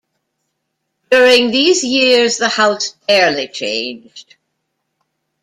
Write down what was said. During these years, the house barely changed.